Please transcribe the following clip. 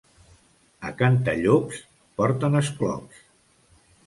A Cantallops porten esclops.